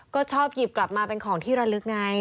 ก็ชอบหยิบกลับมาเป็นของที่ระลึกไง